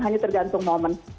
hanya tergantung momen